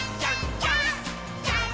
ジャンプ！！」